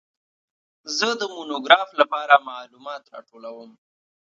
زه د مونوګراف لپاره معلومات راټولوم.